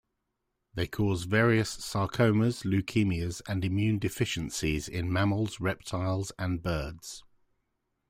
They cause various sarcomas, leukemias and immune deficiencies in mammals, reptiles and birds.